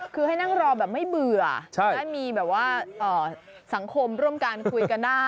คือให้นั่งรอแบบไม่เบื่อได้มีแบบว่าสังคมร่วมกันคุยกันได้